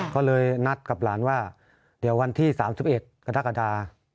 ก็เลยนัดกับหลานว่าเดี๋ยววันที่๓๑กรกฎา